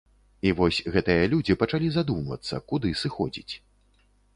І вось гэтыя людзі пачалі задумвацца, куды сыходзіць?